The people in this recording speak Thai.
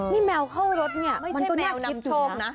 นี่แมวเข้ารถเนี่ยมันต้องน่าคิดอยู่นะ